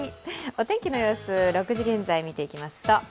お天気の様子、６時現在を見ていきますと？